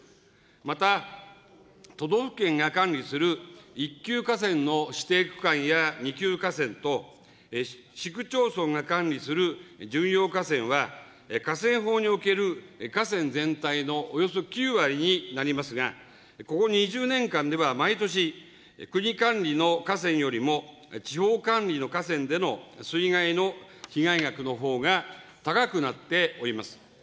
また都道府県が管理する一級河川の指定区間や二級河川と、市区町村が管理する準用河川は、河川法における河川全体のおよそ９割になりますが、ここ２０年間では毎年、国管理の河川よりも、地方管理の河川での水害の被害額のほうが高くなっております。